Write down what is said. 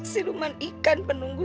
siluman ikan penunggu